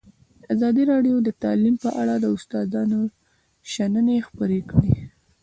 ازادي راډیو د تعلیم په اړه د استادانو شننې خپرې کړي.